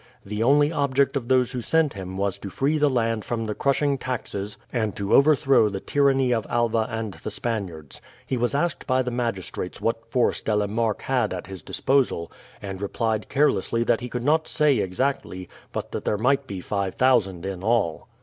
The only object of those who sent him was to free the land from the crushing taxes, and to overthrow the tyranny of Alva and the Spaniards. He was asked by the magistrates what force De la Marck had at his disposal, and replied carelessly that he could not say exactly, but that there might be five thousand in all.